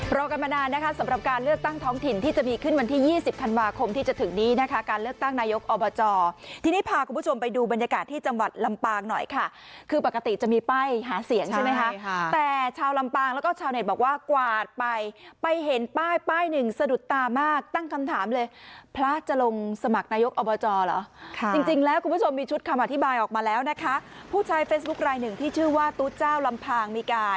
รอกันมานานนะคะสำหรับการเลือกตั้งท้องถิ่นที่จะมีขึ้นวันที่ยี่สิบคันวาคมที่จะถึงนี้นะคะการเลือกตั้งนายกอบาจอร์ทีนี้พาคุณผู้ชมไปดูบรรยากาศที่จังหวัดลำปางหน่อยค่ะคือปกติจะมีป้ายหาเสียงใช่ไหมค่ะใช่ค่ะแต่ชาวลำปางแล้วก็ชาวเน็ตบอกว่ากวาดไปไปเห็นป้ายป้ายหนึ่งสะดุดตามากตั้งคำถามเลยพระจะลง